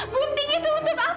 gunting itu untuk apa